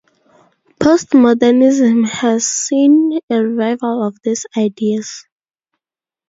Postmodernism has seen a revival of these ideas.